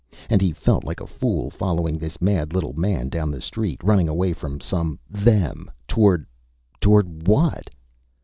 And he felt like a fool, following this mad little man down the street, running away from some "them" toward toward what?